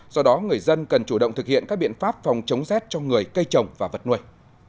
do đó người dân cần chủ động thực hiện các biện pháp phòng chống rét cho người cây trồng và vật nuôi